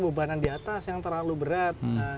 bebanan di atas yang terlalu berat